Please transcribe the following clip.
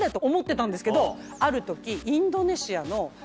ある時。